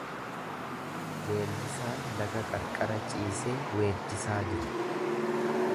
Weellisaan laga qarqara ciisee weeddisaa jira.